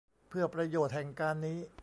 เพื่อประโยชน์แห่งการนี้